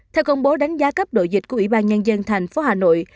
theo công bố đánh giá cấp độ dịch của ủy ban nhân dân thành phố hà nội